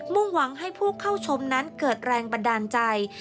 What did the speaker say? ่งหวังให้ผู้เข้าชมนั้นเกิดแรงบันดาลใจ